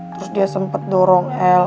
terus dia sempet dorong el